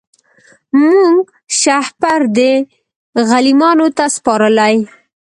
موږ شهپر دی غلیمانو ته سپارلی